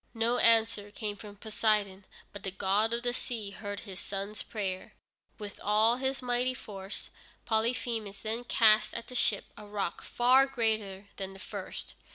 No answer came from Poseidon, but the god of the sea heard his son's prayer. With all his mighty force Polyphemus then cast at the ship a rock far greater than the first.